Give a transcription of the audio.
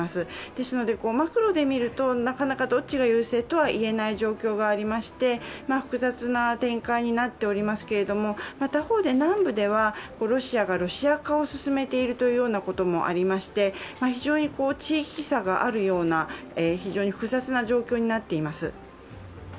ですので、マクロで見るとどっちが優勢とは言えない状況がありまして、複雑な展開になっておりますけど、他方で南部ではロシアがロシア化を進めていることもありまして、非常に地域差があるような、非常に複雑な状況になっています。